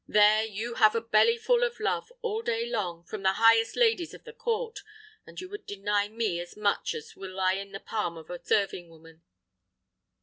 There, you have a bellyful of love, all day long, from the highest ladies of the court, and you would deny me as much as will lie in the palm of a serving woman."